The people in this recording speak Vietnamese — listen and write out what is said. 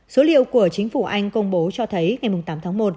số liệu của chính phủ anh công bố cho thấy ngày tám tháng một